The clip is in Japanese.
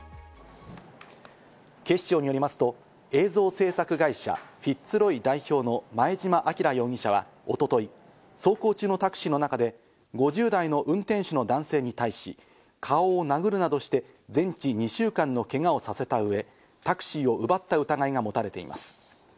警視庁によりますと映像制作会社フィッツ・ロイ代表の前嶋輝容疑者は、一昨日、走行中のタクシーの中で５０代の運転手の男性に対し、顔を殴るなどして、全治２週間のけがをさせたうえ、タクシーを奪った疑いがもたれています。